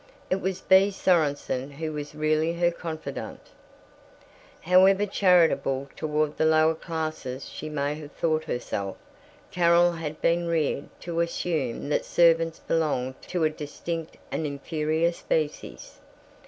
It was Bea Sorenson who was really her confidante. However charitable toward the Lower Classes she may have thought herself, Carol had been reared to assume that servants belong to a distinct and inferior species.